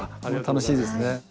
楽しいですね。